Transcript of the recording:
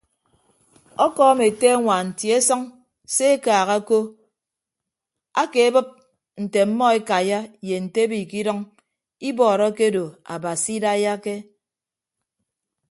Ọkọọm ete añwaan tie sʌñ se ekaaha ko akeebịp nte ọmmọ ekaiya ye nte ebo ikidʌñ ibọọrọ akedo abasi idaiyake.